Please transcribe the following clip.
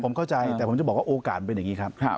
ผมเข้าใจแต่ผมจะบอกว่าโอกาสมันเป็นอย่างนี้ครับ